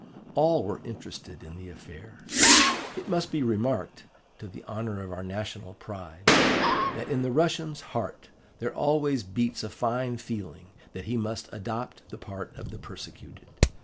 All were interested in the affair. It must be remarked, to the honour of our national pride, that in the Russian's heart there always beats a fine feeling that he must adopt the part of the persecuted.